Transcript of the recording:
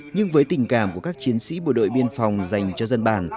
nhưng với tình cảm của các chiến sĩ bộ đội biên phòng dành cho dân bản